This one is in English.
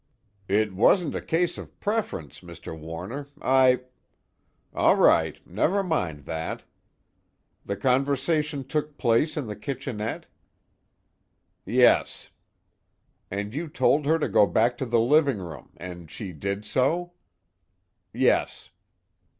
"It wasn't a case of preference, Mr. Warner. I " "All right, never mind that. The conversation took place in the kitchenette?" "Yes." "And you told her to go back to the living room, and she did so?" "Yes."